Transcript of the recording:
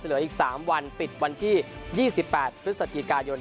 จะเหลืออีกสามวันปิดวันที่ยี่สิบแปดพฤษฎีการยนต์